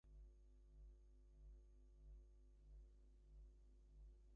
The car is resistant to collision damage and energy weapons.